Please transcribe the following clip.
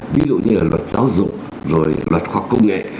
ví dụ như là luật giáo dục rồi luật khoa học công nghệ